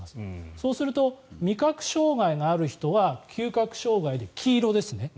そうすると味覚障害のある人は嗅覚障害で黄色ですね。